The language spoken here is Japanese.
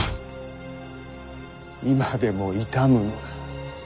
今でも痛むのだ。